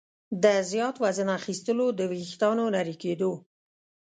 د زیات وزن اخیستلو، د ویښتانو نري کېدو